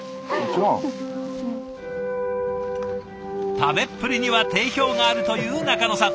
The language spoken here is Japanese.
食べっぷりには定評があるという仲野さん。